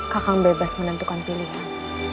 kakak bebas menentukan pilihan